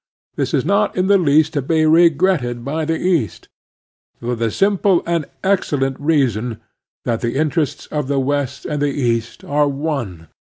This is not in the least to be regretted by the East, for the simple and excellent reason that the interests of the West and the East are one.